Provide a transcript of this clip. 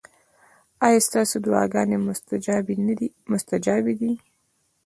ایا ستاسو دعاګانې مستجابې دي؟